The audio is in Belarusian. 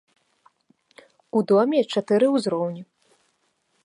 У доме чатыры ўзроўні.